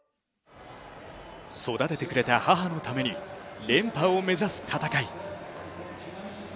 育ててくれた母のために連覇を目指す戦い。